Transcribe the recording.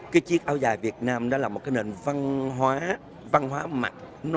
cái chiếc áo dài việt nam đó là một cái nền văn hóa văn hóa mặt